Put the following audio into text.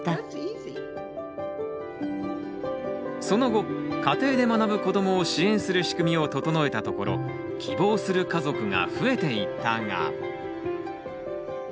その後家庭で学ぶ子どもを支援する仕組みを整えたところ希望する家族が増えていったが。